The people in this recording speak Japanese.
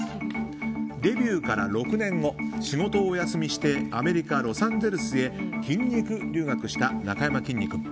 デビューから６年後仕事をお休みしてアメリカ・ロサンゼルスへ筋肉留学した、なかやまきんに君。